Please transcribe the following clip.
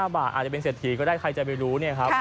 บาทอาจจะเป็นเศรษฐีก็ได้ใครจะไปรู้เนี่ยครับ